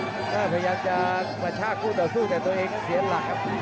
พยายามจะกระชากคู่ต่อสู้แต่ตัวเองนั้นเสียหลักครับ